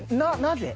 なぜ？